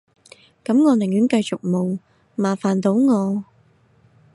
噉我寧願繼續冇，麻煩到我